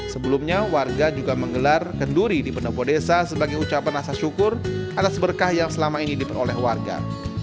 sebelumnya warga juga menggelar kenduri di pendopo desa sebagai ucapan rasa syukur atas berkah yang selama ini diperoleh warga